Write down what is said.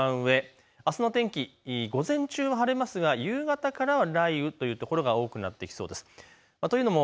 いちばん上、あすの天気、午前中は晴れますが夕方からは雷雨という所が多くなってきそうです。